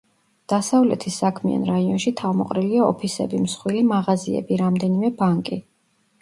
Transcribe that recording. დასავლეთის საქმიან რაიონში თავმოყრილია ოფისები, მსხვილი მაღაზიები, რამდენიმე ბანკი.